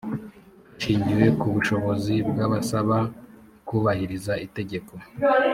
hashingiwe ku bushobozi bw abasaba kubahiriza itegeko